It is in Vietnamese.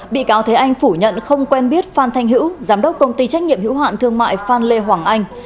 bị cáo thế anh phủ nhận không quen biết phan thanh hữu giám đốc công ty trách nhiệm hữu hạn thương mại phan lê hoàng anh